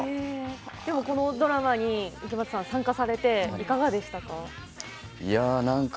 でも、このドラマに池松さん参加されていかがでしたか？